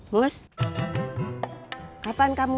masih ingin jago